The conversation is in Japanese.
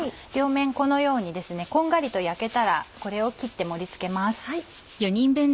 両面このようにこんがりと焼けたらこれを切って盛り付けます。